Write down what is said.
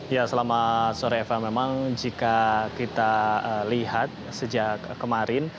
ya selama sore eva memang jika kita lihat sejak kemarin